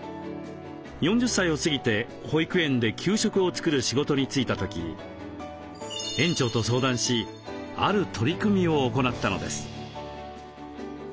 ４０歳を過ぎて保育園で給食を作る仕事に就いた時園長と相談しある取り組みを行ったのです。